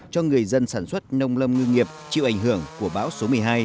cho người dân sản xuất nông lâm ngư nghiệp chịu ảnh hưởng của bão số một mươi hai